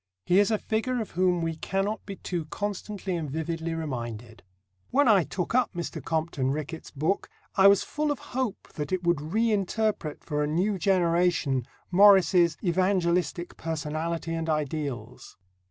He is a figure of whom we cannot be too constantly and vividly reminded. When I took up Mr. Compton Rickett's book I was full of hope that it would reinterpret for a new generation Morris's evangelistic personality and ideals.